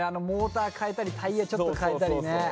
モーター換えたりタイヤちょっと換えたりね。